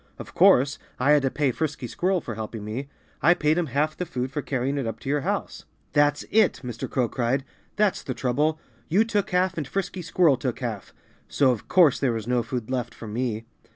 Of course, I had to pay Frisky Squirrel for helping me. I paid him half the food for carrying it up to your house." "That's it!" Mr. Crow cried. "That's the trouble! You took half and Frisky Squirrel took half. So of course there was no food left for me.